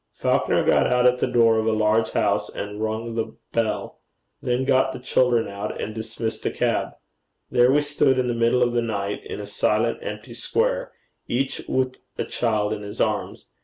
Falconer got out at the door of a large house, and rung the bell; then got the children out, and dismissed the cab. There we stood in the middle of the night, in a silent, empty square, each with a child in his arms.